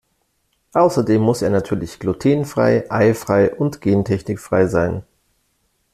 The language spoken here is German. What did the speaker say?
Außerdem muss er natürlich glutenfrei, eifrei und gentechnikfrei sein.